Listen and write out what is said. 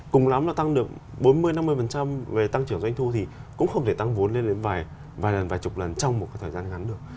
cùng lắm là tăng được bốn mươi năm mươi về tăng trưởng doanh thu thì cũng không thể tăng vốn lên đến vài lần vài chục lần trong một cái thời gian ngắn được